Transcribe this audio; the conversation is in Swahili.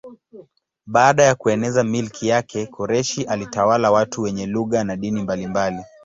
Baada ya kueneza milki yake Koreshi alitawala watu wenye lugha na dini mbalimbali.